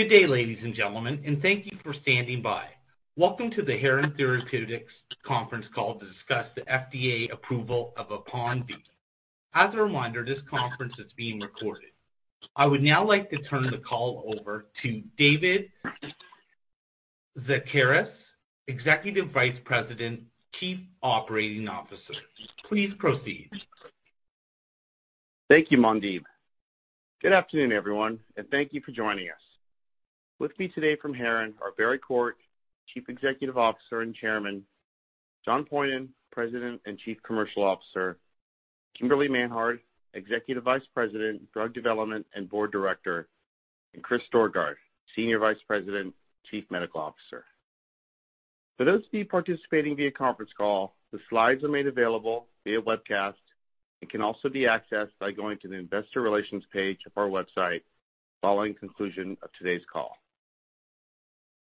Good day, ladies and gentlemen, and thank you for standing by. Welcome to the Heron Therapeutics conference call to discuss the FDA approval of APONVIE. As a reminder, this conference is being recorded. I would now like to turn the call over to David Szekeres, Executive Vice President, Chief Operating Officer. Please proceed. Thank you, Mandeep. Good afternoon, everyone, and thank you for joining us. With me today from Heron are Barry Quart, Chief Executive Officer and Chairman, John Poyhonen, President and Chief Commercial Officer, Kimberly Manhard, Executive Vice President, Drug Development and Board Director, and Chris Storgard, Senior Vice President, Chief Medical Officer. For those of you participating via conference call, the slides are made available via webcast and can also be accessed by going to the investor relations page of our website following conclusion of today's call.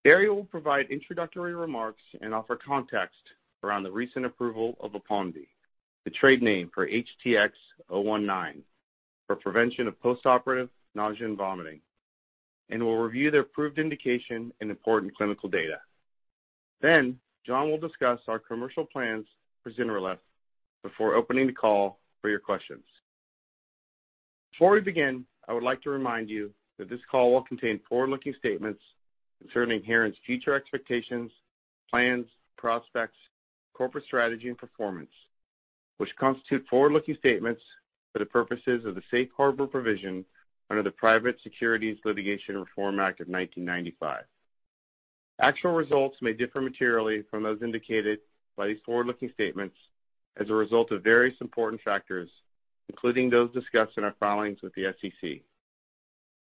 Barry will provide introductory remarks and offer context around the recent approval of APONVIE, the trade name for HTX-019, for prevention of postoperative nausea and vomiting, and will review the approved indication and important clinical data. John will discuss our commercial plans for ZYNRELEF before opening the call for your questions. Before we begin, I would like to remind you that this call will contain forward-looking statements concerning Heron's future expectations, plans, prospects, corporate strategy, and performance, which constitute forward-looking statements for the purposes of the Safe Harbor provision under the Private Securities Litigation Reform Act of 1995. Actual results may differ materially from those indicated by these forward-looking statements as a result of various important factors, including those discussed in our filings with the SEC.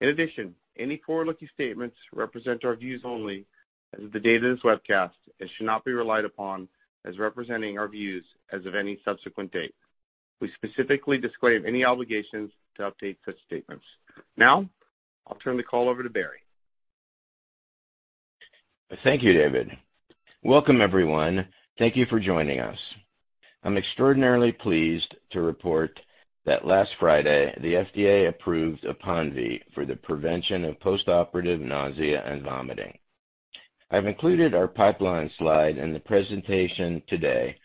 In addition, any forward-looking statements represent our views only as of the date of this webcast and should not be relied upon as representing our views as of any subsequent date. We specifically disclaim any obligations to update such statements. Now, I'll turn the call over to Barry. Thank you, David. Welcome, everyone. Thank you for joining us. I'm extraordinarily pleased to report that last Friday, the FDA approved APONVIE for the prevention of postoperative nausea and vomiting. I've included our pipeline slide in the presentation today,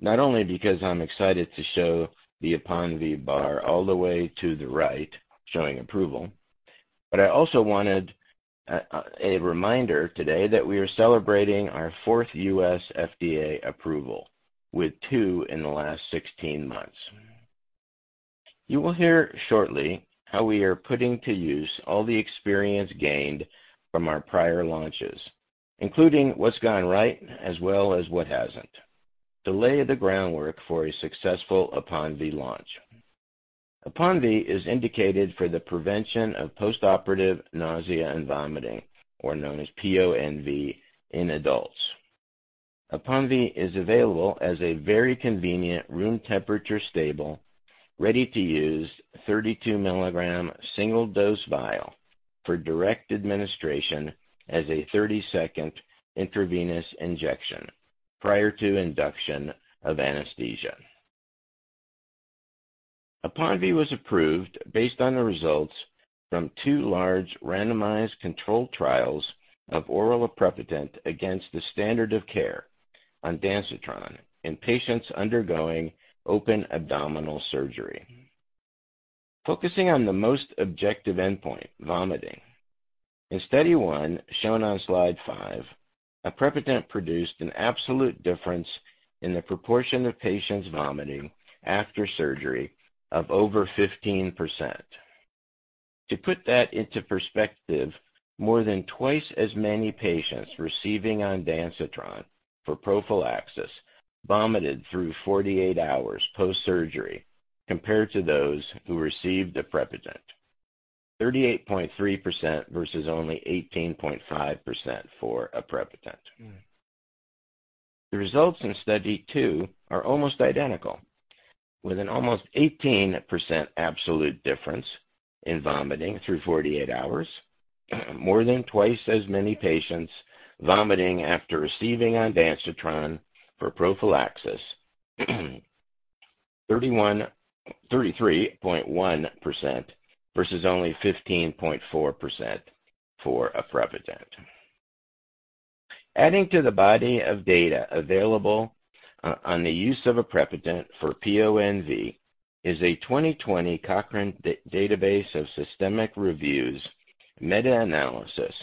not only because I'm excited to show the APONVIE bar all the way to the right, showing approval, but I also wanted a reminder today that we are celebrating our fourth U.S. FDA approval, with 2 in the last 16 months. You will hear shortly how we are putting to use all the experience gained from our prior launches, including what's gone right as well as what hasn't. To lay the groundwork for a successful APONVIE launch. APONVIE is indicated for the prevention of postoperative nausea and vomiting, or known as PONV, in adults. APONVIE is available as a very convenient, room temperature stable, ready-to-use 32 milligram single-dose vial for direct administration as a 30-second intravenous injection prior to induction of anesthesia. APONVIE was approved based on the results from 2 large randomized controlled trials of oral aprepitant against the standard of care ondansetron in patients undergoing open abdominal surgery. Focusing on the most objective endpoint, vomiting. In study one, shown on slide 5, aprepitant produced an absolute difference in the proportion of patients vomiting after surgery of over 15%. To put that into perspective, more than twice as many patients receiving ondansetron for prophylaxis vomited through 48 hours post-surgery compared to those who received aprepitant. 38.3% versus only 18.5% for aprepitant. The results in study 2 are almost identical, with an almost 18% absolute difference in vomiting through 48 hours. More than twice as many patients vomiting after receiving ondansetron for prophylaxis. 33.1% versus only 15.4% for aprepitant. Adding to the body of data available on the use of aprepitant for PONV is a 2020 Cochrane Database of Systematic Reviews meta-analysis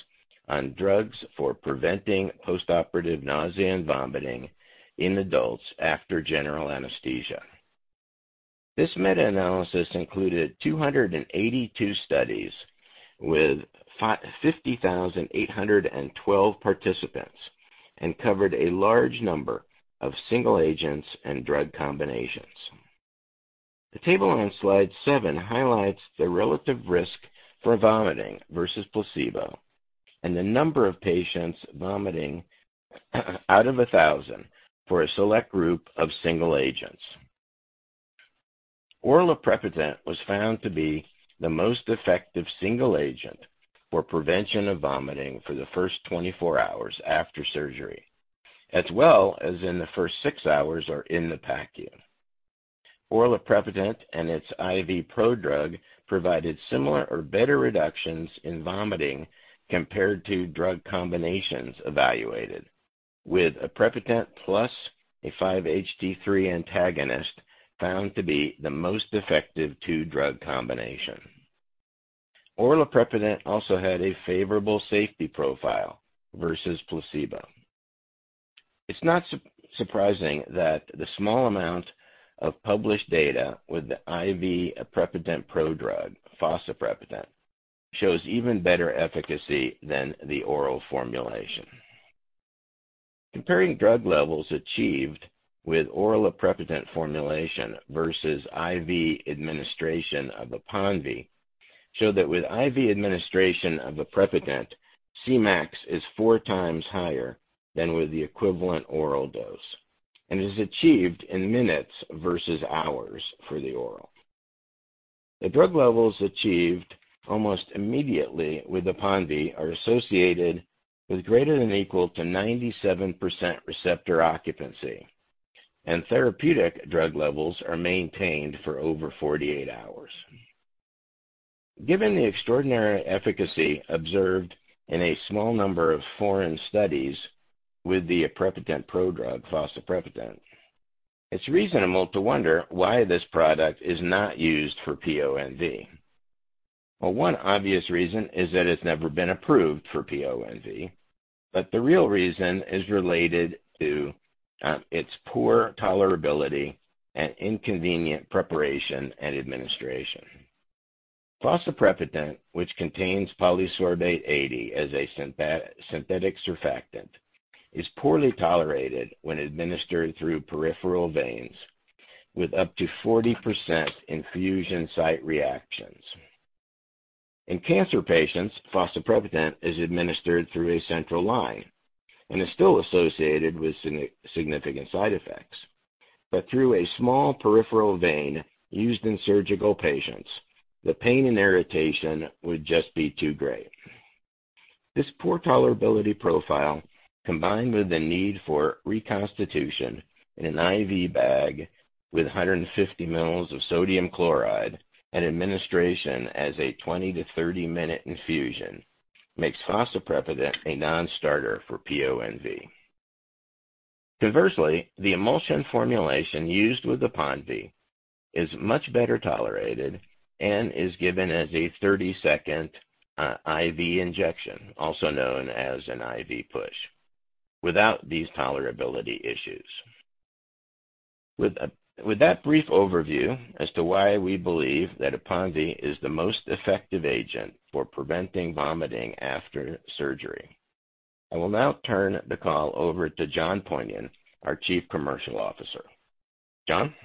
on drugs for preventing postoperative nausea and vomiting in adults after general anesthesia. This meta-analysis included 282 studies with 50,812 participants and covered a large number of single agents and drug combinations. The table on slide 7 highlights the relative risk for vomiting versus placebo and the number of patients vomiting out of 1,000 for a select group of single agents. Oral aprepitant was found to be the most effective single agent for prevention of vomiting for the first 24 hours after surgery, as well as in the first 6 hours or in the PACU. Oral aprepitant and its IV prodrug provided similar or better reductions in vomiting compared to drug combinations evaluated, with aprepitant plus a 5-HT3 antagonist found to be the most effective 2 drug combination. Oral aprepitant also had a favorable safety profile versus placebo. It's not surprising that the small amount of published data with the IV aprepitant prodrug, fosaprepitant, shows even better efficacy than the oral formulation. Comparing drug levels achieved with oral aprepitant formulation versus IV administration of APONVIE showed that with IV administration of aprepitant, Cmax is 4 times higher than with the equivalent oral dose and is achieved in minutes versus hours for the oral. The drug levels achieved almost immediately with APONVIE are associated with greater than or equal to 97% receptor occupancy, and therapeutic drug levels are maintained for over 48 hours. Given the extraordinary efficacy observed in a small number of foreign studies with the aprepitant prodrug fosaprepitant, it's reasonable to wonder why this product is not used for PONV. Well, 1 obvious reason is that it's never been approved for PONV, but the real reason is related to its poor tolerability and inconvenient preparation and administration. Fosaprepitant, which contains polysorbate 80 as a synthetic surfactant, is poorly tolerated when administered through peripheral veins with up to 40% infusion site reactions. In cancer patients, fosaprepitant is administered through a central line and is still associated with significant side effects. But through a small peripheral vein used in surgical patients, the pain and irritation would just be too great. This poor tolerability profile, combined with the need for reconstitution in an IV bag with 150 mL of sodium chloride and administration as a 20- to 30-minute infusion, makes fosaprepitant a non-starter for PONV. Conversely, the emulsion formulation used with APONVIE is much better tolerated and is given as a 30-second IV injection, also known as an IV push, without these tolerability issues. With that brief overview as to why we believe that APONVIE is the most effective agent for preventing vomiting after surgery, I will now turn the call over to John Poyhonen, our Chief Commercial Officer. John.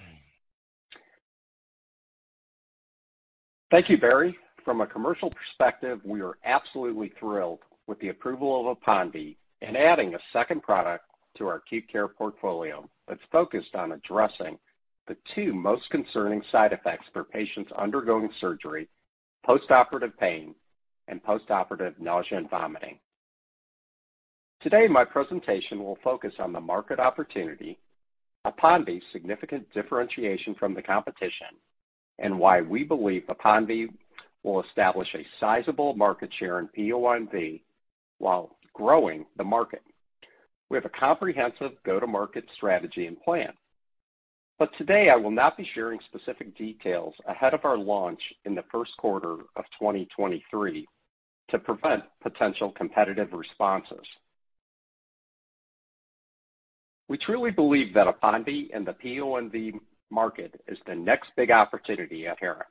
Thank you, Barry. From a commercial perspective, we are absolutely thrilled with the approval of APONVIE and adding a second product to our acute care portfolio that's focused on addressing the 2 most concerning side effects for patients undergoing surgery, postoperative pain and postoperative nausea and vomiting. Today, my presentation will focus on the market opportunity, APONVIE's significant differentiation from the competition, and why we believe APONVIE will establish a sizable market share in PONV while growing the market. We have a comprehensive go-to-market strategy and plan. Today I will not be sharing specific details ahead of our launch in the Q1 of 2023 to prevent potential competitive responses. We truly believe that APONVIE and the PONV market is the next big opportunity at Heron.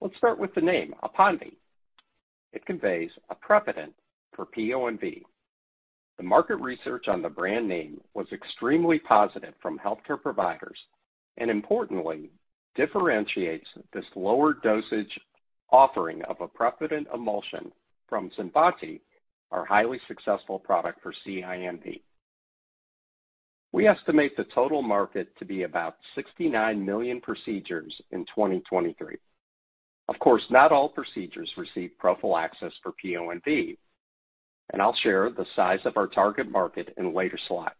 Let's start with the name, APONVIE. It conveys aprepitant for PONV. The market research on the brand name was extremely positive from healthcare providers, and importantly differentiates this lower dosage offering of aprepitant emulsion from CINVANTI, our highly successful product for CINV. We estimate the total market to be about 69 million procedures in 2023. Of course, not all procedures receive prophylaxis for PONV, and I'll share the size of our target market in later slides.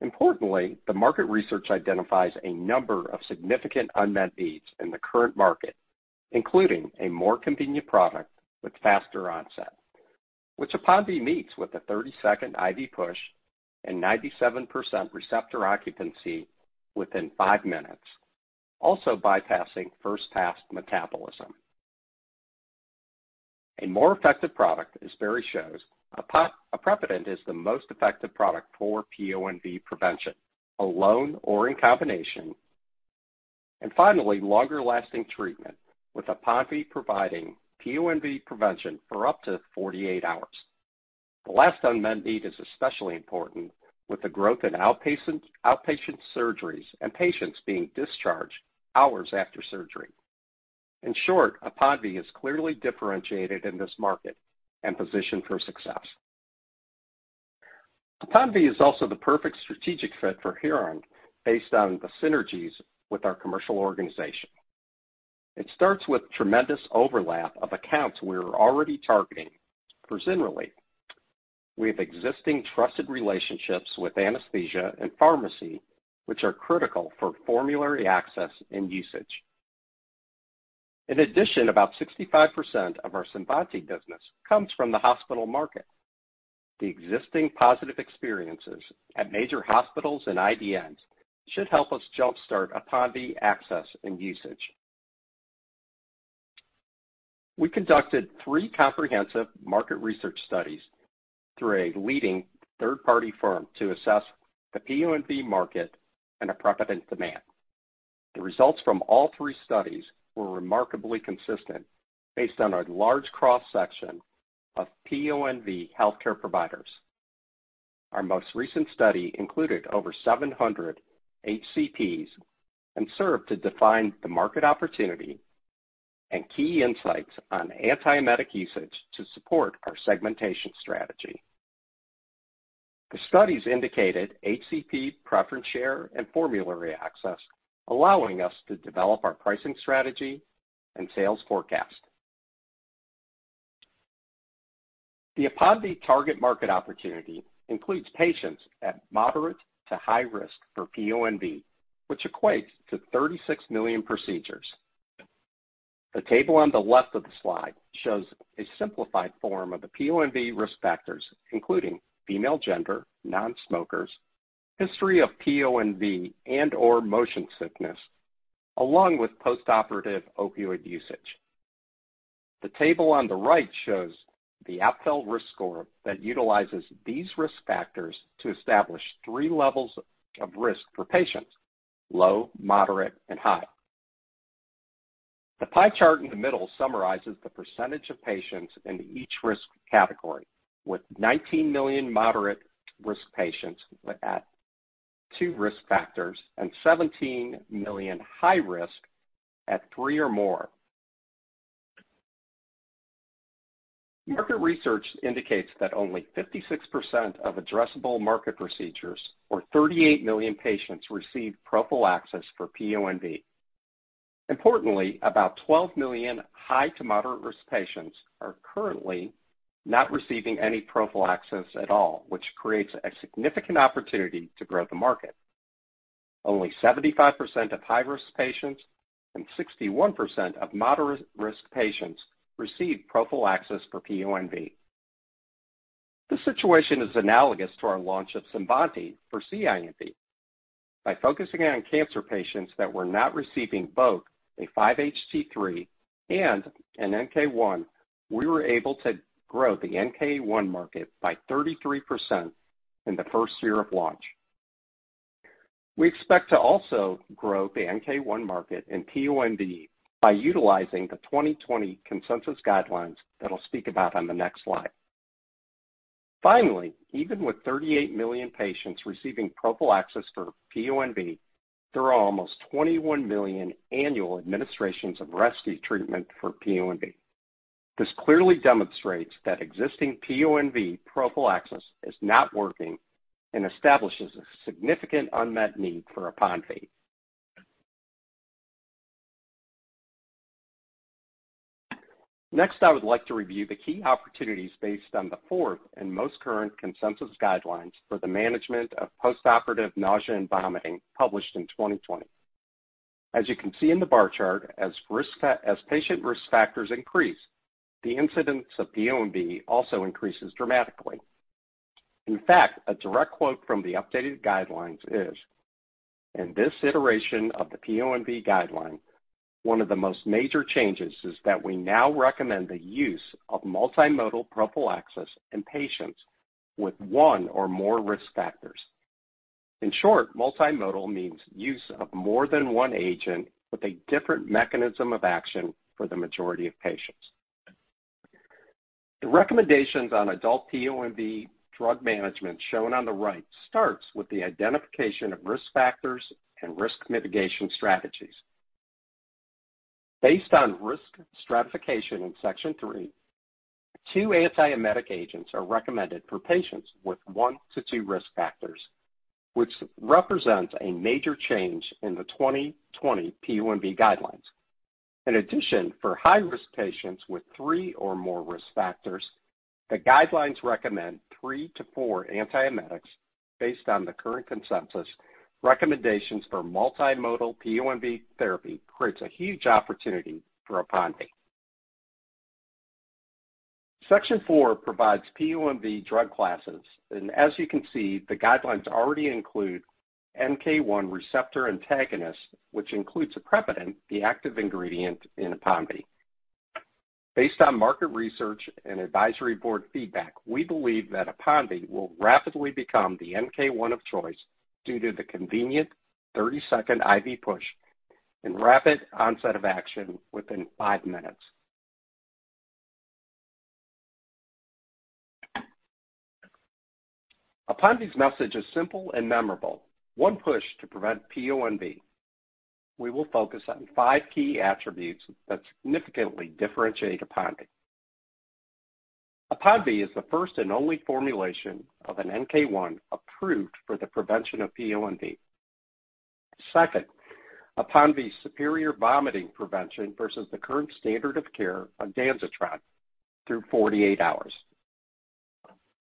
Importantly, the market research identifies a number of significant unmet needs in the current market, including a more convenient product with faster onset, which APONVIE meets with a 30-second IV push and 97% receptor occupancy within 5 minutes, also bypassing first pass metabolism. A more effective product, as Barry shows, aprepitant is the most effective product for PONV prevention, alone or in combination. Finally, longer lasting treatment, with APONVIE providing PONV prevention for up to 48 hours. The last unmet need is especially important with the growth in outpatient surgeries and patients being discharged hours after surgery. In short, APONVIE is clearly differentiated in this market and positioned for success. APONVIE is also the perfect strategic fit for Heron based on the synergies with our commercial organization. It starts with tremendous overlap of accounts we are already targeting for ZYNRELEF. We have existing trusted relationships with anesthesia and pharmacy, which are critical for formulary access and usage. In addition, about 65% of our CINVANTI business comes from the hospital market. The existing positive experiences at major hospitals and IDNs should help us jumpstart APONVIE access and usage. We conducted 3 comprehensive market research studies through a leading third-party firm to assess the PONV market and aprepitant demand. The results from all 3 studies were remarkably consistent based on a large cross-section of PONV healthcare providers. Our most recent study included over 700 HCPs and served to define the market opportunity and key insights on antiemetic usage to support our segmentation strategy. The studies indicated HCP preference share and formulary access, allowing us to develop our pricing strategy and sales forecast. The APONVIE target market opportunity includes patients at moderate to high risk for PONV, which equates to 36 million procedures. The table on the left of the slide shows a simplified form of the PONV risk factors, including female gender, non-smokers, history of PONV and/or motion sickness, along with postoperative opioid usage. The table on the right shows the Apfel risk score that utilizes these risk factors to establish 3 levels of risk for patients, low, moderate, and high. The pie chart in the middle summarizes the percentage of patients in each risk category, with 19 million moderate risk patients at 2 risk factors and 17 million high risk at 3 or more. Market research indicates that only 56% of addressable market procedures or 38 million patients receive prophylaxis for PONV. Importantly, about 12 million high to moderate risk patients are currently not receiving any prophylaxis at all, which creates a significant opportunity to grow the market. Only 75% of high-risk patients and 61% of moderate risk patients receive prophylaxis for PONV. This situation is analogous to our launch of SUSTOL for CINV. By focusing on cancer patients that were not receiving both a 5-HT3 and an NK1, we were able to grow the NK1 market by 33% in the first year of launch. We expect to also grow the NK1 market in PONV by utilizing the 2020 consensus guidelines that I'll speak about on the next slide. Finally, even with 38 million patients receiving prophylaxis for PONV, there are almost 21 million annual administrations of rescue treatment for PONV. This clearly demonstrates that existing PONV prophylaxis is not working and establishes a significant unmet need for APONVIE. Next, I would like to review the key opportunities based on the fourth and most current consensus guidelines for the management of postoperative nausea and vomiting published in 2020. As you can see in the bar chart, as patient risk factors increase, the incidence of PONV also increases dramatically. In fact, a direct quote from the updated guidelines is, "In this iteration of the PONV guideline, one of the most major changes is that we now recommend the use of multimodal prophylaxis in patients with 1 or more risk factors." In short, multimodal means use of more than 1 agent with a different mechanism of action for the majority of patients. The recommendations on adult PONV drug management shown on the right starts with the identification of risk factors and risk mitigation strategies. Based on risk stratification in section 3, 2 antiemetic agents are recommended for patients with 1-2 risk factors, which represents a major change in the 2020 PONV guidelines. In addition, for high-risk patients with 3 or more risk factors, the guidelines recommend 3-4 antiemetics based on the current consensus. Recommendations for multimodal PONV therapy creates a huge opportunity for APONVIE. Section 4 provides PONV drug classes. As you can see, the guidelines already include NK1 receptor antagonist, which includes aprepitant, the active ingredient in APONVIE. Based on market research and advisory board feedback, we believe that APONVIE will rapidly become the NK1 of choice due to the convenient 30-second IV push and rapid onset of action within 5 minutes. APONVIE's message is simple and memorable. 1 Push to prevent PONV. We will focus on 5 key attributes that significantly differentiate APONVIE. APONVIE is the first and only formulation of an NK1 approved for the prevention of PONV. Second, superior vomiting prevention versus the current standard of care of ondansetron through 48 hours.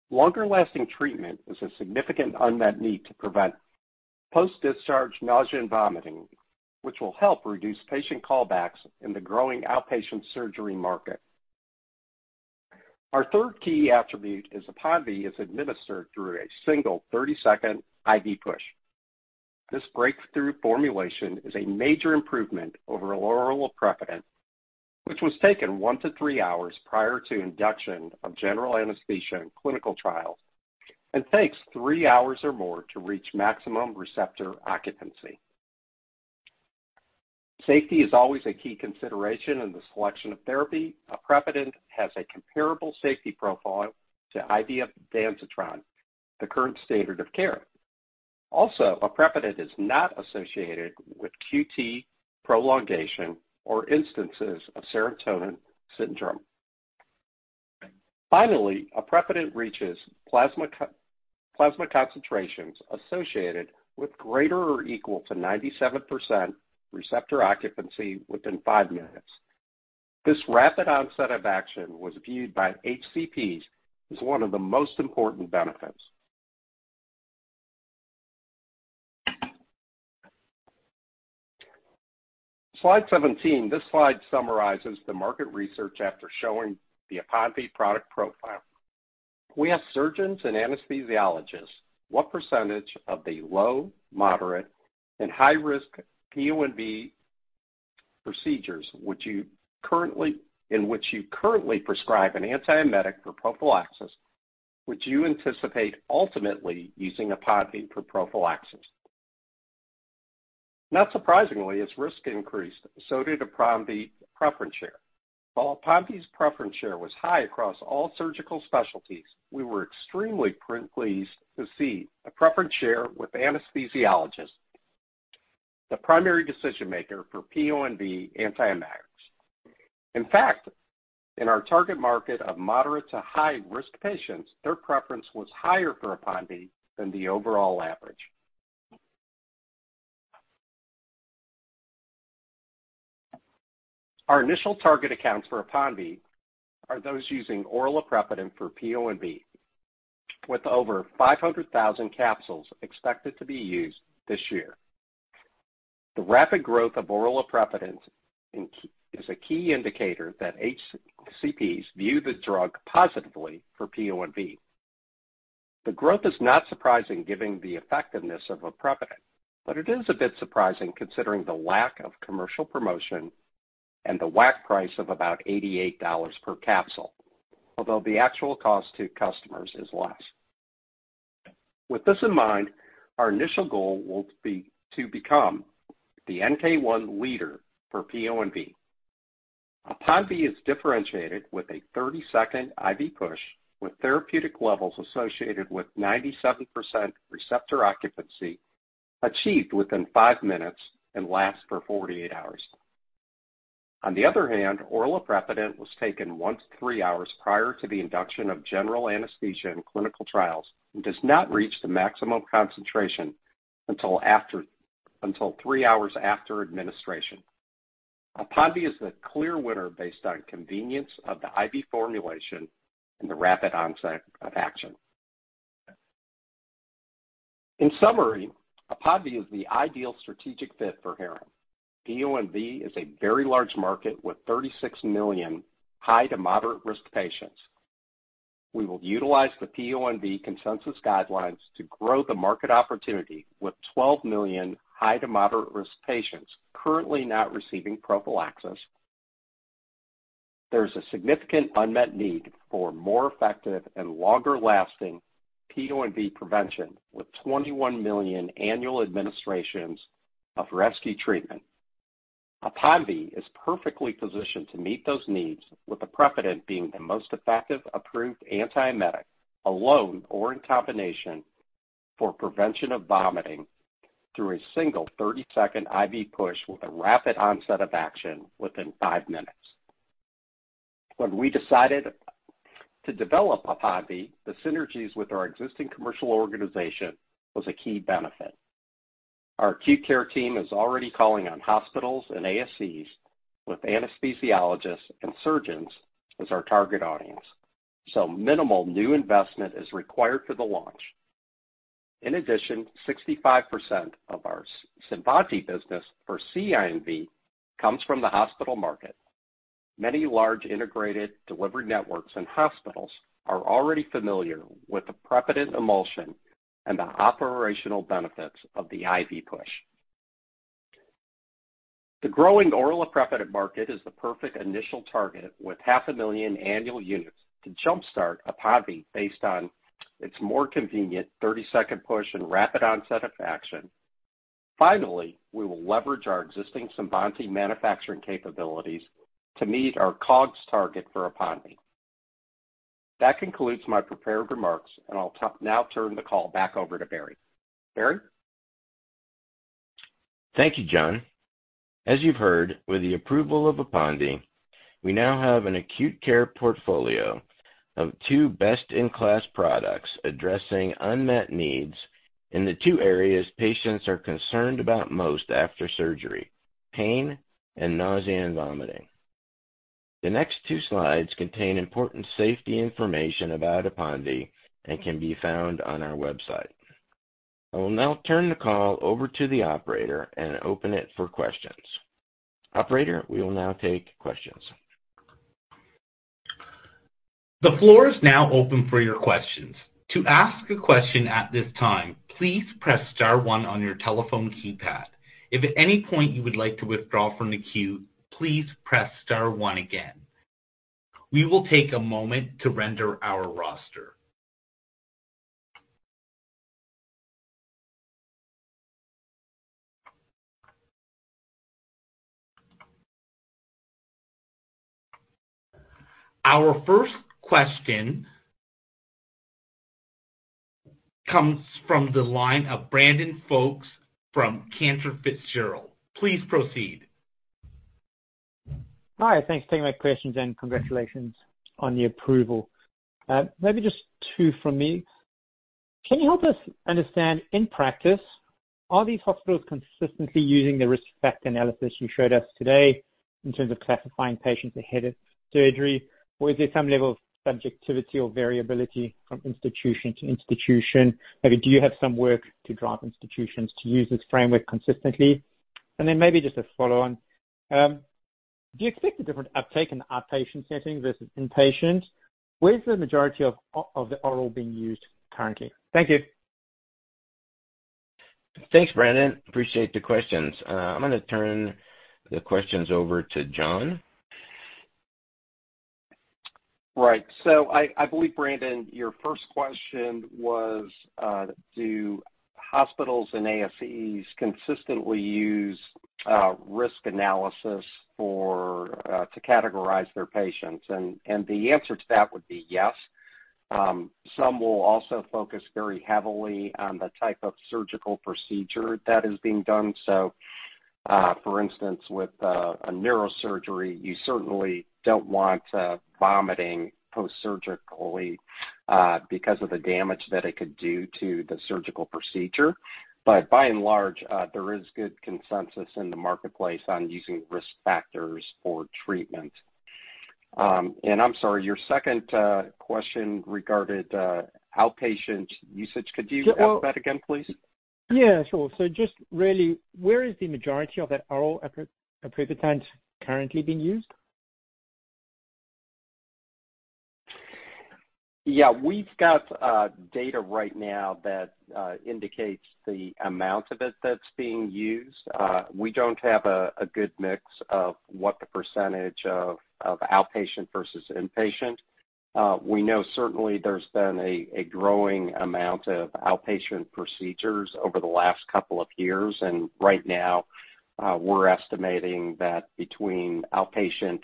Longer-lasting treatment is a significant unmet need to prevent post-discharge nausea and vomiting, which will help reduce patient callbacks in the growing outpatient surgery market. Our third key attribute is APONVIE is administered through a single 30-second IV push. This breakthrough formulation is a major improvement over oral aprepitant, which was taken 1-3 hours prior to induction of general anesthesia in clinical trials and takes 3 hours or more to reach maximum receptor occupancy. Safety is always a key consideration in the selection of therapy. Aprepitant has a comparable safety profile to IV ondansetron, the current standard of care. Also, aprepitant is not associated with QT prolongation or instances of serotonin syndrome. Finally, aprepitant reaches plasma concentrations associated with greater than or equal to 97% receptor occupancy within 5 minutes. This rapid onset of action was viewed by HCPs as one of the most important benefits. Slide 17. This slide summarizes the market research after showing the APONVIE product profile. We asked surgeons and anesthesiologists what percentage of the low, moderate, and high risk PONV procedures would you currently, in which you currently prescribe an antiemetic for prophylaxis, would you anticipate ultimately using APONVIE for prophylaxis? Not surprisingly, as risk increased, so did APONVIE preference share. While APONVIE's preference share was high across all surgical specialties, we were extremely pleased to see a preference share with anesthesiologists, the primary decision-maker for PONV antiemetics. In fact, in our target market of moderate to high-risk patients, their preference was higher for APONVIE than the overall average. Our initial target accounts for APONVIE are those using oral aprepitant for PONV, with over 500,000 capsules expected to be used this year. The rapid growth of oral aprepitant in key is a key indicator that HCPs view the drug positively for PONV. The growth is not surprising given the effectiveness of aprepitant, but it is a bit surprising considering the lack of commercial promotion and the WAC price of about $88 per capsule. Although the actual cost to customers is less. With this in mind, our initial goal will be to become the NK1 leader for PONV. APONVIE is differentiated with a 30-second IV push with therapeutic levels associated with 97% receptor occupancy achieved within 5 minutes and lasts for 48 hours. On the other hand, oral aprepitant was taken 1-3 hours prior to the induction of general anesthesia in clinical trials and does not reach the maximum concentration until 3 hours after administration. APONVIE is the clear winner based on convenience of the IV formulation and the rapid onset of action. In summary, APONVIE is the ideal strategic fit for Heron. PONV is a very large market with 36 million high to moderate risk patients. We will utilize the PONV consensus guidelines to grow the market opportunity with 12 million high to moderate risk patients currently not receiving prophylaxis. There is a significant unmet need for more effective and longer-lasting PONV prevention with 21 million annual administrations of rescue treatment. APONVIE is perfectly positioned to meet those needs, with aprepitant being the most effective approved antiemetic, alone or in combination for prevention of vomiting through a single 30-second IV push with a rapid onset of action within 5 minutes. When we decided to develop APONVIE, the synergies with our existing commercial organization was a key benefit. Our acute care team is already calling on hospitals and ASCs with anesthesiologists and surgeons as our target audience, so minimal new investment is required for the launch. In addition, 65% of our CINVANTI business for CINV comes from the hospital market. Many large integrated delivery networks and hospitals are already familiar with the aprepitant emulsion and the operational benefits of the IV push. The growing oral aprepitant market is the perfect initial target, with 500,000 annual units to jumpstart APONVIE based on its more convenient 30-second push and rapid onset of action. Finally, we will leverage our existing CINVANTI manufacturing capabilities to meet our COGS target for APONVIE. That concludes my prepared remarks, and I'll now turn the call back over to Barry. Barry? Thank you, John. As you've heard, with the approval of APONVIE, we now have an acute care portfolio of 2 best-in-class products addressing unmet needs in the 2 areas patients are concerned about most after surgery, pain and nausea and vomiting. The next 2 slides contain important safety information about APONVIE and can be found on our website. I will now turn the call over to the operator and open it for questions. Operator, we will now take questions. The floor is now open for your questions. To ask a question at this time, please press star 1 on your telephone keypad. If at any point you would like to withdraw from the queue, please press star 1 again. We will take a moment to render our roster. Our first question comes from the line of Brandon Folkes from Cantor Fitzgerald. Please proceed. Hi, thanks for taking my questions, and congratulations on the approval. Maybe just 2 from me. Can you help us understand, in practice, are these hospitals consistently using the risk factor analysis you showed us today in terms of classifying patients ahead of surgery, or is there some level of subjectivity or variability from institution to institution? Maybe do you have some work to drive institutions to use this framework consistently? Then maybe just a follow-on. Do you expect a different uptake in the outpatient setting versus inpatient? Where is the majority of the oral being used currently? Thank you. Thanks, Brandon. Appreciate the questions. I'm gonna turn the questions over to John. Right. I believe, Brandon, your first question was, do hospitals and ASCs consistently use risk analysis for to categorize their patients? The answer to that would be yes. Some will also focus very heavily on the type of surgical procedure that is being done. For instance, with a neurosurgery, you certainly don't want vomiting post-surgically because of the damage that it could do to the surgical procedure. By and large, there is good consensus in the marketplace on using risk factors for treatment. I'm sorry, your second question regarded outpatient usage. Could you ask that again, please? Yeah, sure. Just really, where is the majority of that oral aprepitant currently being used? Yeah. We've got data right now that indicates the amount of it that's being used. We don't have a good mix of what the percentage of outpatient versus inpatient. We know certainly there's been a growing amount of outpatient procedures over the last couple of years, and right now, we're estimating that between outpatient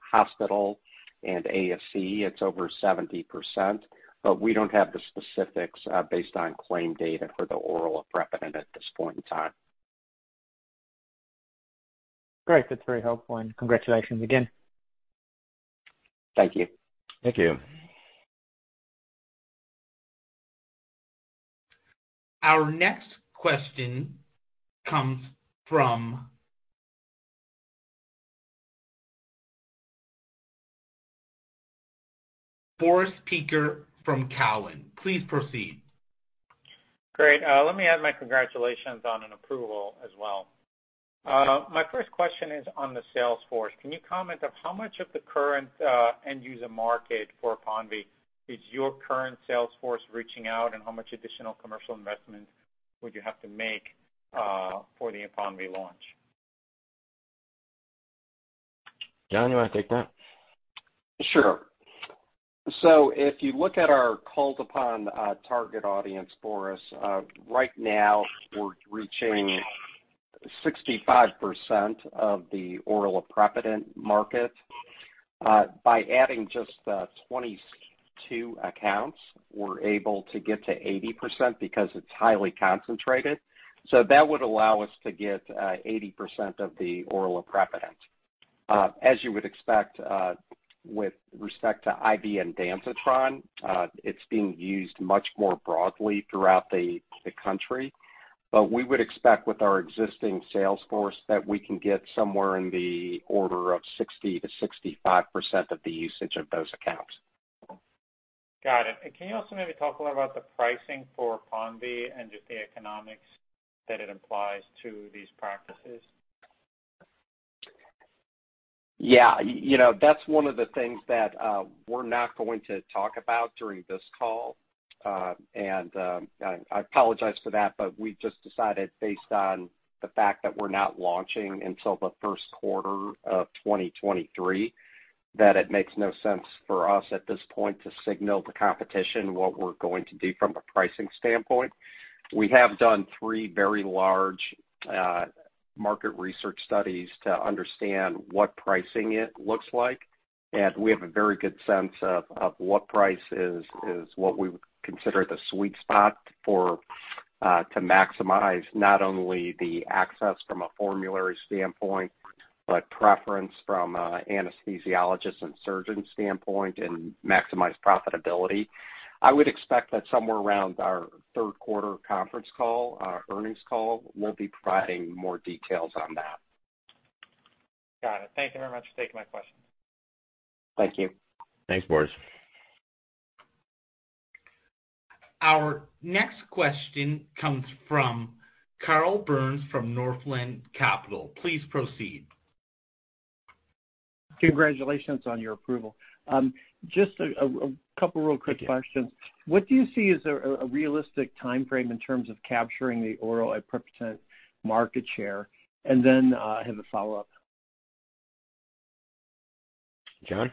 hospital and ASC, it's over 70%, but we don't have the specifics based on claim data for the oral aprepitant at this point in time. Great. That's very helpful, and congratulations again. Thank you. Thank you. Our next question comes from Boris Peaker from Cowen. Please proceed. Great. Let me add my congratulations on an approval as well. My first question is on the sales force. Can you comment of how much of the current end user market for APONVIE is your current sales force reaching out, and how much additional commercial investment would you have to make for the APONVIE launch? John, you wanna take that? Sure. If you look at our called-upon target audience for us, right now we're reaching 65% of the oral aprepitant market. By adding just 22 accounts, we're able to get to 80% because it's highly concentrated. That would allow us to get 80% of the oral aprepitant. As you would expect, with respect to IV Emend/Zofran, it's being used much more broadly throughout the country. We would expect with our existing sales force that we can get somewhere in the order of 60%-65% of the usage of those accounts. Got it. Can you also maybe talk a little about the pricing for APONVIE and just the economics that it applies to these practices? Yeah. You know, that's 1 of the things that we're not going to talk about during this call. I apologize for that, but we've just decided based on the fact that we're not launching until the Q1 of 2023, that it makes no sense for us at this point to signal the competition what we're going to do from a pricing standpoint. We have done 3 very large market research studies to understand what pricing it looks like. We have a very good sense of what price is what we would consider the sweet spot for to maximize not only the access from a formulary standpoint, but preference from anesthesiologist and surgeon standpoint and maximize profitability. I would expect that somewhere around our Q3 conference call, our earnings call, we'll be providing more details on that. Got it. Thank you very much for taking my question. Thank you. Thanks, Boris. Our next question comes from Carl Byrnes from Northland Capital Markets. Please proceed. Congratulations on your approval. Just a couple of real quick questions. What do you see as a realistic timeframe in terms of capturing the oral aprepitant market share? I have a follow-up. John?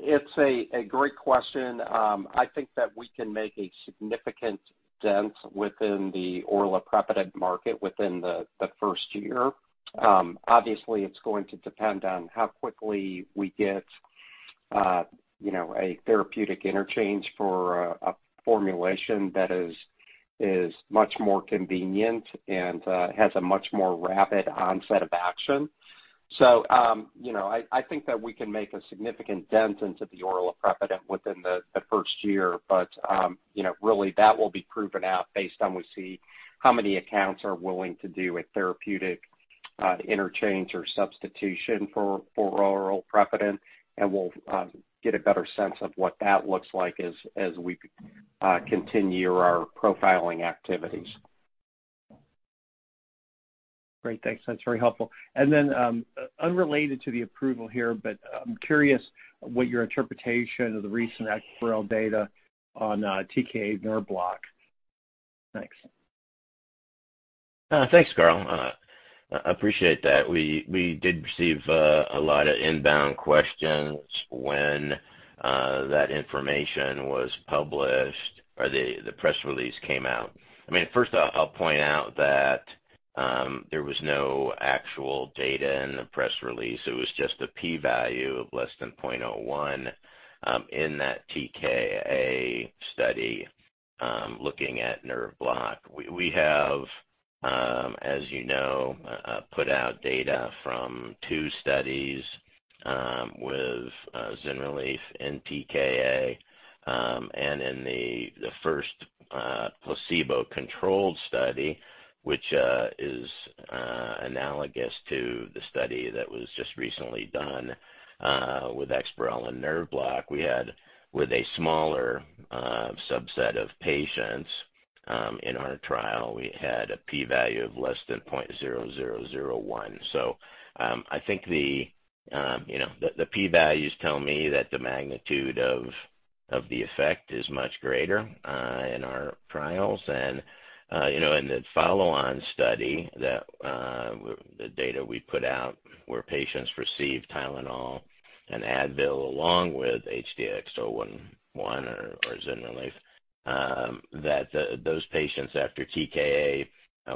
It's a great question. I think that we can make a significant dent within the oral aprepitant market within the first year. Obviously, it's going to depend on how quickly we get you know, a therapeutic interchange for a formulation that is much more convenient and has a much more rapid onset of action. You know, I think that we can make a significant dent into the oral aprepitant within the first year. You know, really that will be proven out based on we see how many accounts are willing to do a therapeutic interchange or substitution for oral aprepitant, and we'll get a better sense of what that looks like as we continue our profiling activities. Great. Thanks. That's very helpful. Unrelated to the approval here, but I'm curious what your interpretation of the recent EXPAREL data on TKA nerve block. Thanks. Thanks, Carl. I appreciate that. We did receive a lot of inbound questions when that information was published or the press release came out. I mean, first off, I'll point out that there was no actual data in the press release. It was just a P value of less than 0.01 in that TKA study looking at nerve block. We have, as you know, put out data from 2 studies with ZYNRELEF in TKA, and in the first placebo-controlled study, which is analogous to the study that was just recently done with EXPAREL and nerve block. We had, with a smaller subset of patients in our trial, a P value of less than 0.0001. I think you know, the P values tell me that the magnitude of the effect is much greater in our trials. You know, in the follow-on study that the data we put out where patients received Tylenol and Advil along with HTX-011 or ZYNRELEF, those patients after TKA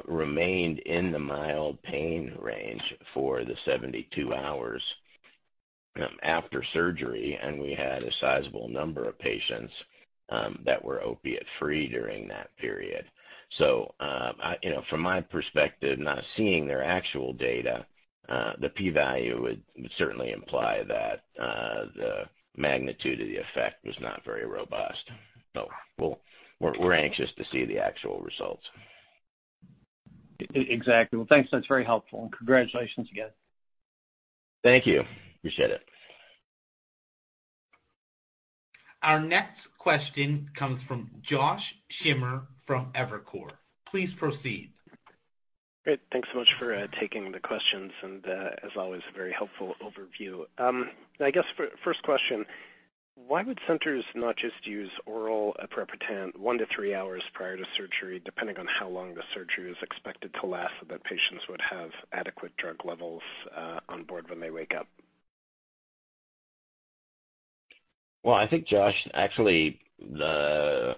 remained in the mild pain range for the 72 hours after surgery, and we had a sizable number of patients that were opiate-free during that period. You know, from my perspective, not seeing their actual data, the P value would certainly imply that the magnitude of the effect was not very robust. We're anxious to see the actual results. Exactly. Well, thanks. That's very helpful, and congratulations again. Thank you. Appreciate it. Our next question comes from Josh Schimmer from Evercore. Please proceed. Great. Thanks so much for taking the questions and, as always, a very helpful overview. I guess first question, why would centers not just use oral aprepitant 1-3 hours prior to surgery, depending on how long the surgery is expected to last, so that patients would have adequate drug levels on board when they wake up? Well, I think, Josh, actually the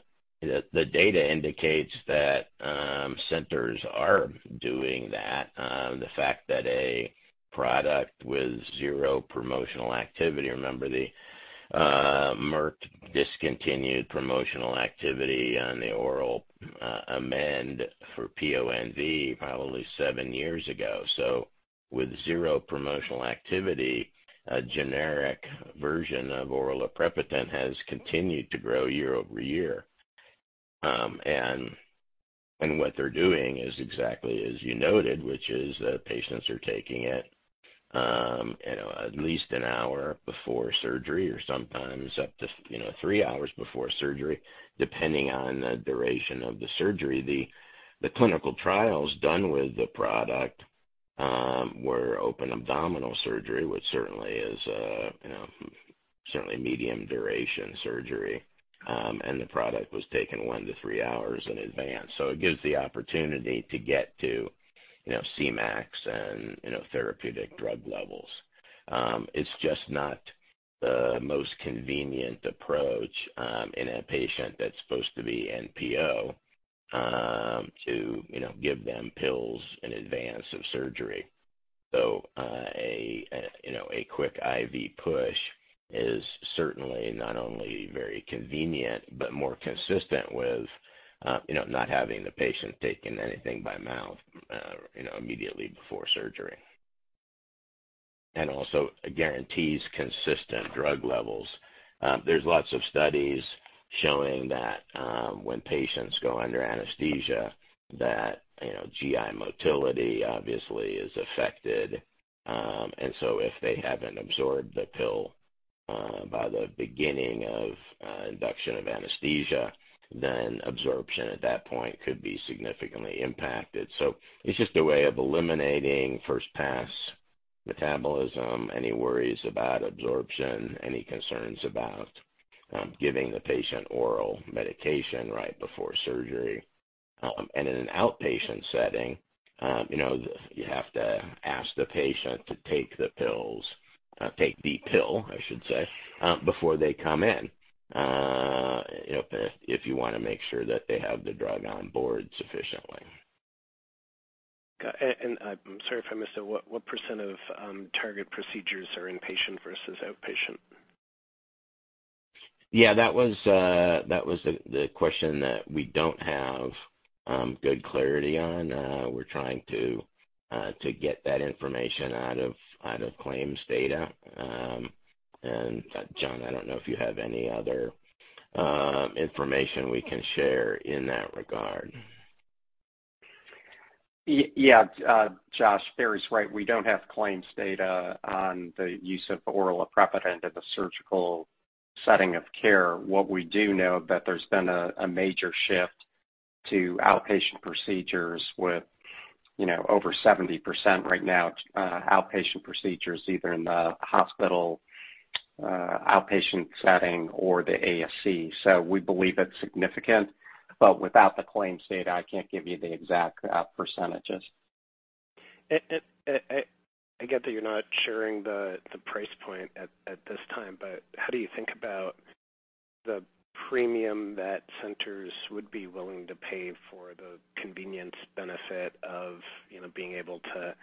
data indicates that centers are doing that. The fact that a product with zero promotional activity. Remember, the Merck discontinued promotional activity on the oral Emend for PONV probably 7 years ago. So with zero promotional activity, a generic version of oral aprepitant has continued to grow year over year. And what they're doing is exactly as you noted, which is that patients are taking it, you know, at least an hour before surgery or sometimes up to, you know, 3 hours before surgery, depending on the duration of the surgery. The clinical trials done with the product were open abdominal surgery, which certainly is, you know, certainly medium duration surgery, and the product was taken 1-3 hours in advance. It gives the opportunity to get to, you know, Cmax and, you know, therapeutic drug levels. It's just not the most convenient approach in a patient that's supposed to be NPO to give them pills in advance of surgery. A quick IV push is certainly not only very convenient, but more consistent with not having the patient taking anything by mouth immediately before surgery. Also guarantees consistent drug levels. There's lots of studies showing that when patients go under anesthesia that GI motility obviously is affected. If they haven't absorbed the pill by the beginning of induction of anesthesia, then absorption at that point could be significantly impacted. It's just a way of eliminating first pass metabolism, any worries about absorption, any concerns about giving the patient oral medication right before surgery. In an outpatient setting, you know, you have to ask the patient to take the pill, I should say, before they come in, you know, if you wanna make sure that they have the drug on board sufficiently. Got it. I'm sorry if I missed it, what percent of target procedures are inpatient versus outpatient? Yeah, that was the question that we don't have good clarity on. We're trying to get that information out of claims data. John, I don't know if you have any other information we can share in that regard. Yeah. Josh, Barry's right. We don't have claims data on the use of oral aprepitant in the surgical setting of care. What we do know, that there's been a major shift to outpatient procedures with, you know, over 70% right now, outpatient procedures, either in the hospital outpatient setting or the ASC. We believe it's significant, but without the claims data, I can't give you the exact percentages. I get that you're not sharing the price point at this time, but how do you think about the premium that centers would be willing to pay for the convenience benefit of, you know, being able to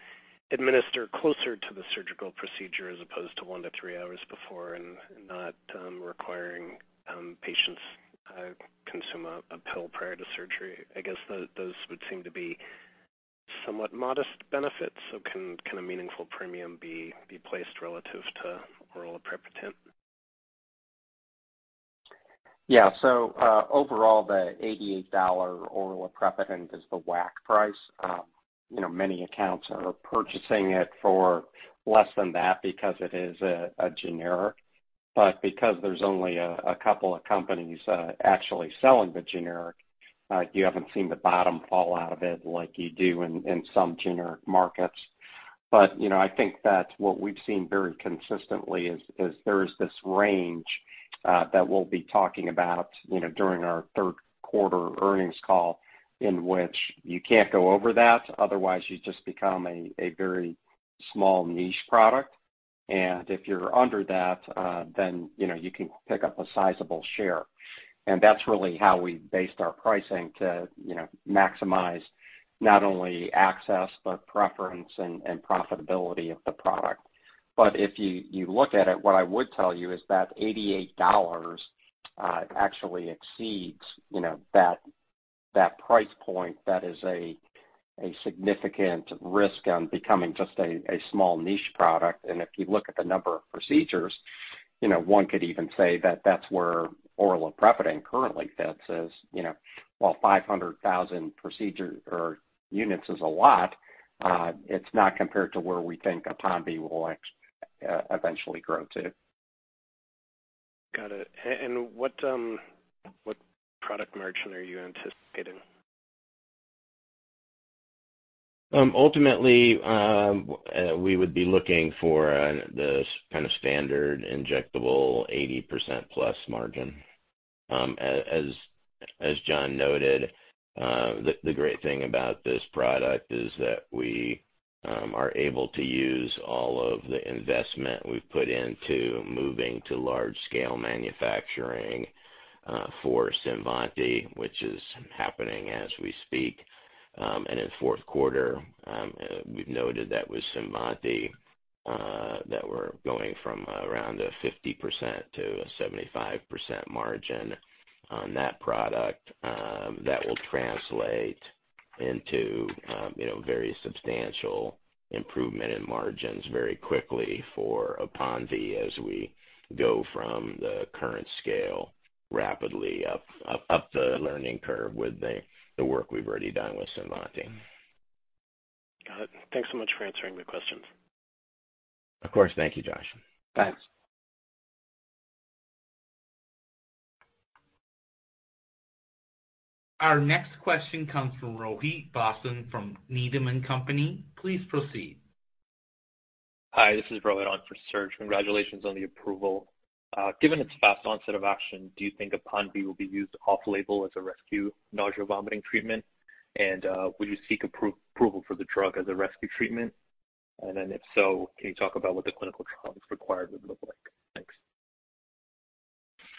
administer closer to the surgical procedure as opposed to 1-3 hours before and not requiring patients consume a pill prior to surgery? I guess those would seem to be somewhat modest benefits. Can a meaningful premium be placed relative to oral aprepitant? Yeah. Overall, the $88 oral aprepitant is the WAC price. You know, many accounts are purchasing it for less than that because it is a generic, but because there's only a couple of companies actually selling the generic, you haven't seen the bottom fall out of it like you do in some generic markets. You know, I think that what we've seen very consistently is there is this range that we'll be talking about during our third quarter earnings call, in which you can't go over that, otherwise you just become a very small niche product. If you're under that, then you know, you can pick up a sizable share. That's really how we based our pricing to maximize not only access, but preference and profitability of the product. If you look at it, what I would tell you is that $88 actually exceeds, you know, that price point that is a significant risk on becoming just a small niche product. If you look at the number of procedures, you know, one could even say that that's where oral aprepitant currently sits. As, you know, while 500,000 procedures or units is a lot, it's not compared to where we think APONVIE will eventually grow to. Got it. What product margin are you anticipating? Ultimately, we would be looking for the kind of standard injectable 80%+ margin. As John noted, the great thing about this product is that we are able to use all of the investment we've put into moving to large scale manufacturing for CINVANTI, which is happening as we speak. In Q4, we've noted that with CINVANTI, that we're going from around 50% to 75% margin on that product. That will translate into, you know, very substantial improvement in margins very quickly for APONVIE as we go from the current scale rapidly up the learning curve with the work we've already done with CINVANTI. Got it. Thanks so much for answering the questions. Of course. Thank you, Josh. Thanks. Our next question comes from Rohit Bhasin from Needham & Company. Please proceed. Hi, this is Rohit on for Serge. Congratulations on the approval. Given its fast onset of action, do you think APONVIE will be used off label as a rescue nausea vomiting treatment? Would you seek approval for the drug as a rescue treatment? Then if so, can you talk about what the clinical trials required would look like? Thanks.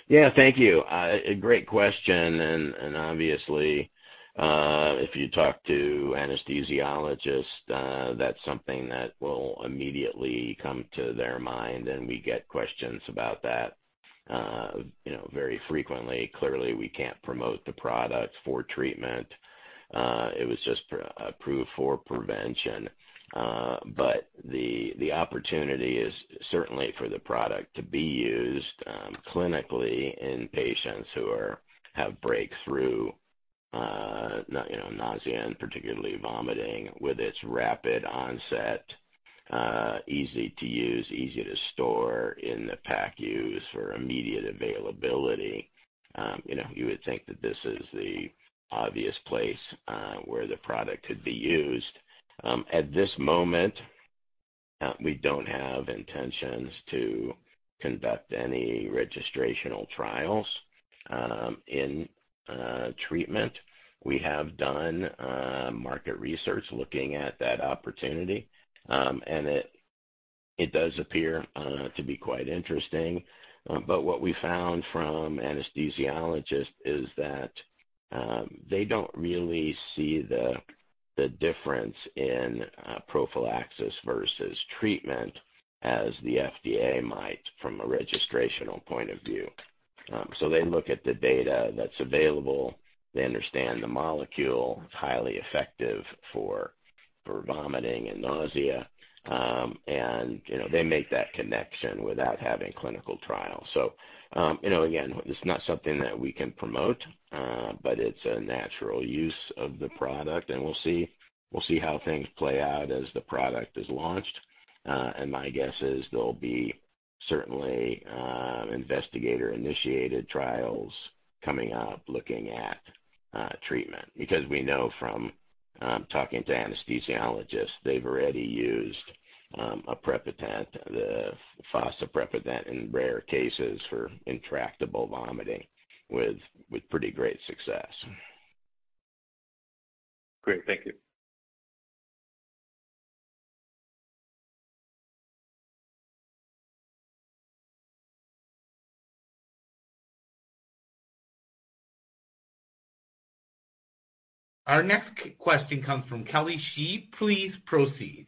Yeah. Thank you. A great question and obviously, if you talk to anesthesiologists, that's something that will immediately come to their mind, and we get questions about that, you know, very frequently. Clearly, we can't promote the product for treatment. It was just approved for prevention. The opportunity is certainly for the product to be used clinically in patients who have breakthrough, you know, nausea and particularly vomiting with its rapid onset, easy to use, easy to store in the PACU for immediate availability. You know, you would think that this is the obvious place where the product could be used. At this moment, we don't have intentions to conduct any registrational trials in treatment. We have done market research looking at that opportunity. It does appear to be quite interesting. What we found from anesthesiologists is that they don't really see the difference in prophylaxis versus treatment as the FDA might from a registrational point of view. They look at the data that's available. They understand the molecule. It's highly effective for vomiting and nausea. You know, they make that connection without having clinical trials. You know, again, it's not something that we can promote, but it's a natural use of the product, and we'll see how things play out as the product is launched. My guess is there'll be certainly investigator-initiated trials coming up looking at treatment. Because we know from talking to anesthesiologists, they've already used aprepitant, the fosaprepitant in rare cases for intractable vomiting with pretty great success. Great. Thank you. Our next question comes from Kelly Shi. Please proceed.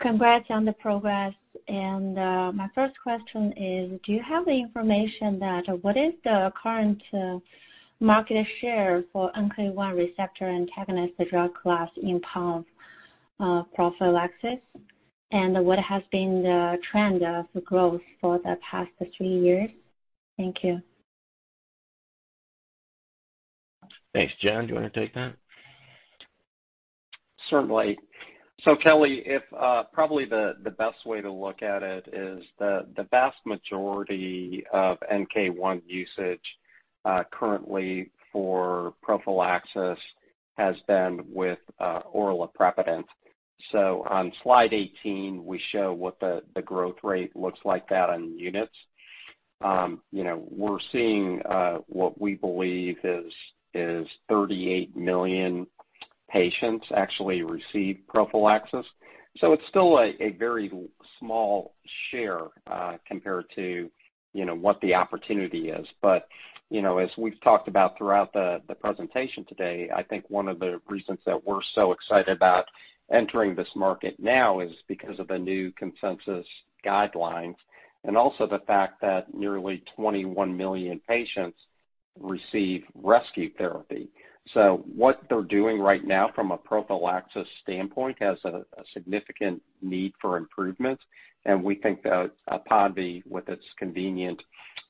Congrats on the progress. My first question is, do you have the information that what is the current market share for NK1 receptor antagonist, the drug class in PONV prophylaxis, and what has been the trend of growth for the past 3 years? Thank you. Thanks. John, do you wanna take that? Certainly. Kelly, probably the best way to look at it is the vast majority of NK1 usage currently for prophylaxis has been with oral aprepitant. On slide 18, we show what the growth rate looks like that on units. You know, we're seeing what we believe is 38 million patients actually receive prophylaxis. It's still a very small share compared to, you know, what the opportunity is. You know, as we've talked about throughout the presentation today, I think 1 of the reasons that we're so excited about entering this market now is because of the new consensus guidelines and also the fact that nearly 21 million patients receive rescue therapy. What they're doing right now from a prophylaxis standpoint has a significant need for improvement, and we think that APONVIE, with its convenient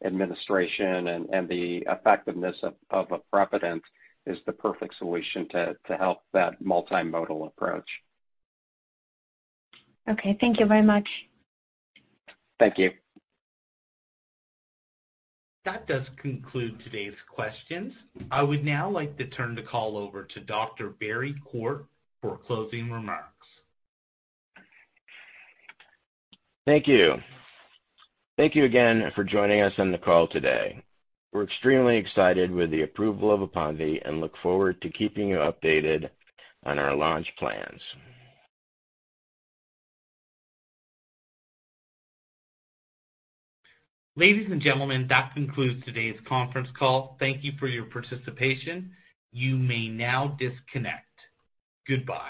administration and the effectiveness of aprepitant, is the perfect solution to help that multimodal approach. Okay. Thank you very much. Thank you. That does conclude today's questions. I would now like to turn the call over to Dr. Barry Quart for closing remarks. Thank you. Thank you again for joining us on the call today. We're extremely excited with the approval of APONVIE and look forward to keeping you updated on our launch plans. Ladies and gentlemen, that concludes today's conference call. Thank you for your participation. You may now disconnect. Goodbye.